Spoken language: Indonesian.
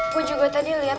gue juga tadi liat